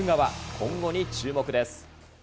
今後に注目です。